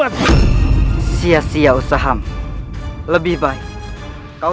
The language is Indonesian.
dia akan dihadapi